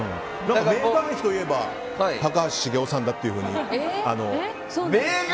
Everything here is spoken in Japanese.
メーガン妃といえば高橋茂雄さんだというふうに。